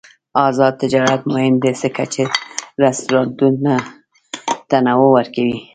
آزاد تجارت مهم دی ځکه چې رستورانټونه تنوع ورکوي.